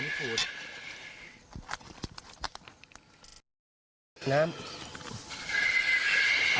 น้ำ